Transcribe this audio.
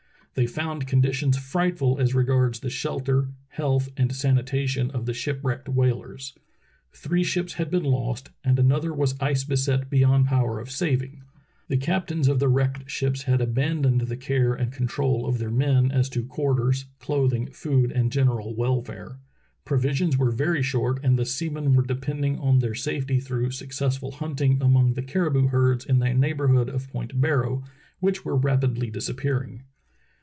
They found conditions frightful as regards the shel ter, health, and sanitation of the shipwrecked whalers. Three ships had been lost and another was ice beset beyond power of saving. The captains of the wrecked ships had abandoned the care and control of their men as to quarters, clothing, food, and general welfare. Pro visions were very short, and the seamen were depending on their safety through successful hunting among the caribou herds in the neighborhood of Point Barrow, which were rapidly disappearing.